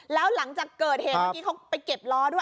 แล้วหลังจากเกิดเหตุเมื่อกี้เขาไปเก็บล้อด้วย